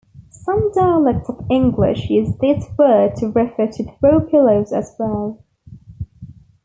Some dialects of English use this word to refer to throw pillows as well.